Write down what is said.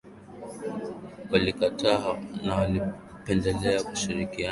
Walikataa na walipendelea kushirikiana na Wajerumani